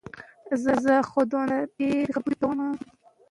ذخیره پاک لوښي کې وساتئ.